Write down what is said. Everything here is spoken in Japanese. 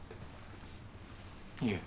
いえ。